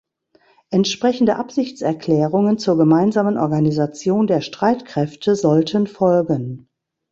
Entsprechende Absichtserklärungen zur gemeinsamen Organisation der Streitkräfte sollten folgen.